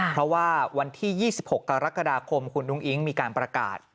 เพราะว่าวันที่๒๖กรกฎาคมคุณอุ้งอิ๊งมีการประกาศ